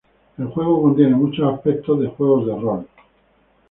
El juego contiene muchos aspectos de juegos de rol.